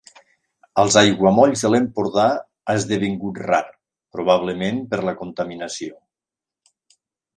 Als Aiguamolls de l'Empordà ha esdevingut rar, probablement per la contaminació.